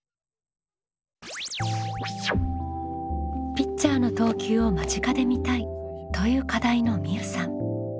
「ピッチャーの投球を間近で見たい」という課題のみうさん。